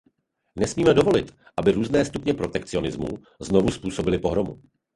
Nesmíme dovolit, aby různé stupně protekcionismu znovu způsobily pohromu.